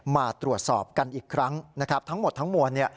มาตรวจสอบกันอีกครั้งทั้งหมดทั้งหมวล